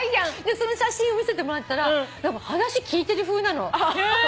その写真を見せてもらったら話聞いてるふうなの。